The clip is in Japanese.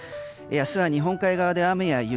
明日は日本海側で雨や雪。